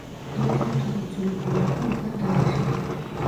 იმპერატორი იძულებული იყო უკან დაეხია.